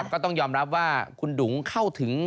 ก็ต้องยอมรับว่าคุณดุงเข้าถึง